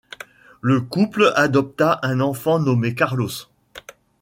Le couple adopta un enfant nommé Carlos.